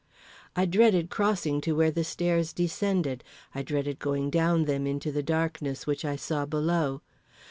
I dreaded crossing to where the stairs descended; I dreaded going down them into the darkness which I saw below.